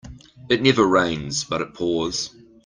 It never rains but it pours.